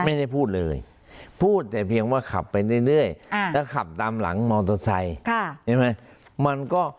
ไม่ได้พูดเลยพูดแต่เพียงว่าขับไปเรื่อยแล้วขับตามหลังมอเตอร์ไซค์ใช่ไหม